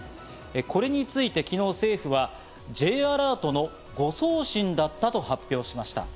これについて昨日政府はＪアラートの誤送信だったと発表しました。